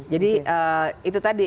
jadi itu tadi